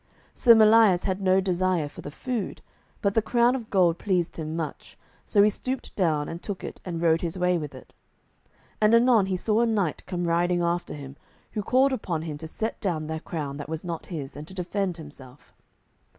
Sir Melias had no desire for the food, but the crown of gold pleased him much, so he stooped down and took it and rode his way with it. And anon he saw a knight come riding after him, who called upon him to set down the crown that was not his, and to defend himself.